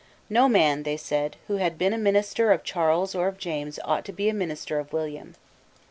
No man, they said, who had been a minister of Charles or of James ought to be a minister of William.